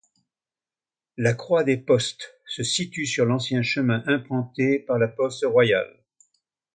La croix des Postes se situe sur l’ancien chemin emprunté par la poste royale.